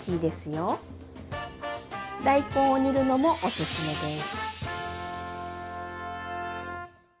大根を煮るのもおすすめです。